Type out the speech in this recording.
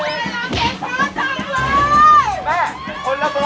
แม่คนละเมาะนะ